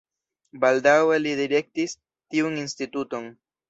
Baldaŭe li direktis tiun instituton.